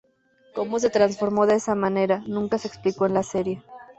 Cómo se transformó de esa manera nunca se explicó en la serie.